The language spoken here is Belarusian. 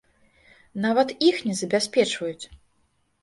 Нават іх не забяспечваюць!!!